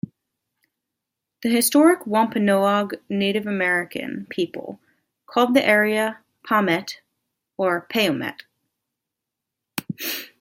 The historic Wampanoag Native American people called the area "Pamet" or "Payomet".